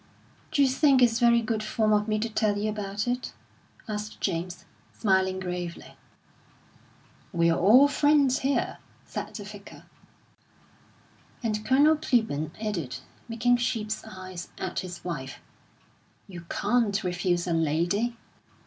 "D'you think it's very good form of me to tell you about it?" asked James, smiling gravely. "We're all friends here," said the Vicar. And Colonel Clibborn added, making sheep's eyes at his wife: "You can't refuse a lady!"